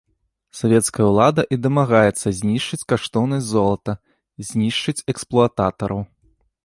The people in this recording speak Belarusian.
Савецкая ўлада і дамагаецца знішчыць каштоўнасць золата, знішчыць эксплуататараў.